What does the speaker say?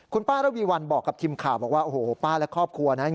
คุณป้าระวีวันบอกกับทีมข่าวบอกว่าโอ้โหป้าและครอบครัวนะจริง